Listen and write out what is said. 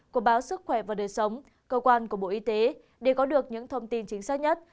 của báo sức khỏe và đời sống cơ quan của bộ y tế để có được những thông tin chính xác nhất